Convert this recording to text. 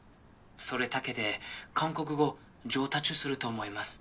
それだけで韓国語上達すると思います。